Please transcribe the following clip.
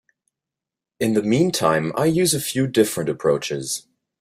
In the meantime, I use a few different approaches.